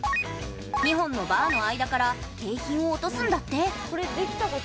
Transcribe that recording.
２本のバーの間から景品を落とすんだって。